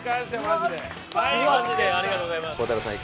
マジでありがとうございます。